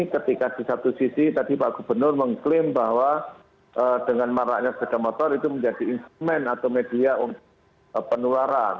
ketika di satu sisi tadi pak gubernur mengklaim bahwa dengan maraknya sepeda motor itu menjadi instrumen atau media untuk penularan